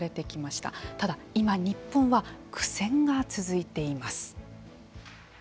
ただ、今日本は苦戦が続いています。